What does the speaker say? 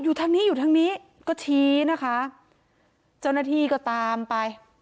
ทางนี้อยู่ทางนี้ก็ชี้นะคะเจ้าหน้าที่ก็ตามไป